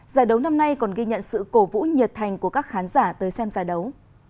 giải đấu năm nay còn ghi nhận sự cổ vũ nhiệt thành của các khán giả tới xem giải đấu